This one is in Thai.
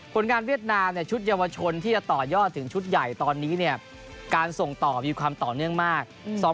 ผลงานเวียดนามชุดเยาวชนที่จะต่อยอดถึงชุดใหญ่ตอนนี้เนี่ยการส่งต่อมีความต่อเนื่องมาก